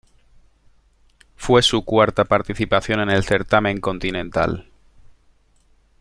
Fue su cuarta participación en el certamen continental.